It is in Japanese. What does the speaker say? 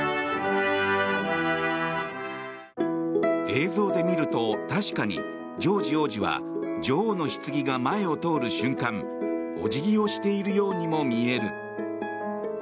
映像で見ると、確かにジョージ王子は女王のひつぎが前を通る瞬間お辞儀をしているようにも見える。